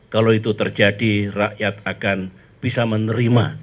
kalau itu terjadi rakyat akan bisa menerima